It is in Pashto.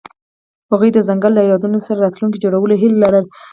هغوی د ځنګل له یادونو سره راتلونکی جوړولو هیله لرله.